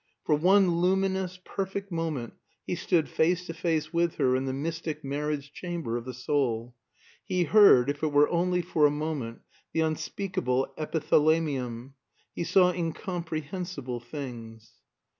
For one luminous perfect moment he stood face to face with her in the mystic marriage chamber of the soul; he heard if it were only for a moment the unspeakable epithalamium; he saw incomprehensible things.